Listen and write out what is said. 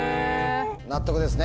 納得ですね？